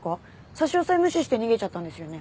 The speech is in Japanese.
差し押さえを無視して逃げちゃったんですよね？